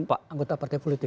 anggota partai politik